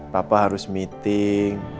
papa harus meeting